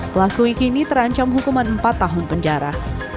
pelaku kini terancam hukuman empat tahun penjara